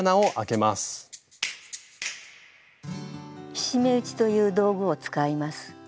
菱目打ちという道具を使います。